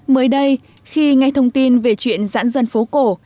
mới đây khi ngay thông tin về chuyện giãn dân phố cổ